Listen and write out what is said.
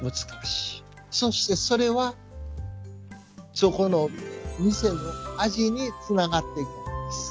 そしてそれはそこの店の味につながっていくんです。